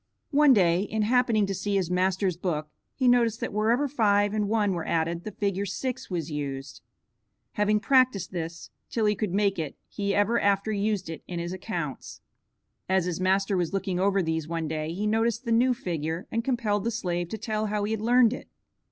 One day in happening to see his master's book he noticed that wherever five and one were added the figure 6 was used. Having practiced this till he could make it he ever after used it in his accounts. As his master was looking over these one day, he noticed the new figure and compelled the slave to tell how he had learned it.